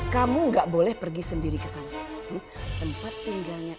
sampai jumpa di video selanjutnya